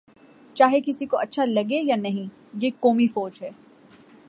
چاہے کسی کو اچھا لگے یا نہیں، یہ قومی فوج ہے۔